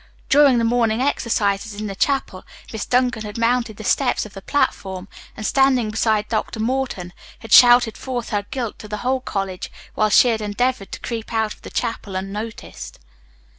During the morning exercises in the chapel, Miss Duncan had mounted the steps of the platform, and, standing beside Dr. Morton, had shouted forth her guilt to the whole college, while she had endeavored to creep out of the chapel unnoticed.